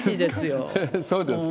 そうですか。